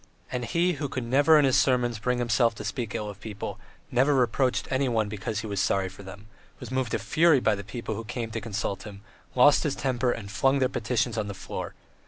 And he, who could never in his sermons bring himself to speak ill of people, never reproached anyone because he was so sorry for them, was moved to fury with the people who came to consult him, lost his temper and flung their petitions on the floor.